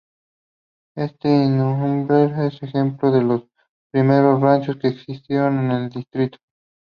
Este inmueble es un ejemplo de los primeros ranchos que existieron en el distrito.